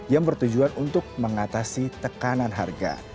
yang bertujuan untuk mengatasi tekanan harga